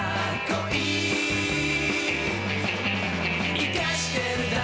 「イカしてるだろ？